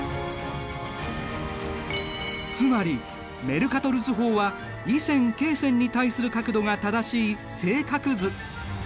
つまりメルカトル図法は緯線・経線に対する角度が正しい正角図。